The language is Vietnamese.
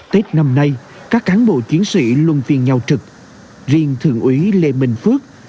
tết năm nay các cán bộ chiến sĩ luôn phiền nhau trực riêng thượng úy lê minh phước